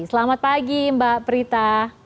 selamat pagi mbak prita